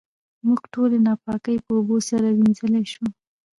موږ ټولې ناپاکۍ په اوبو سره وېنځلی شو.